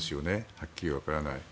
はっきり分からない。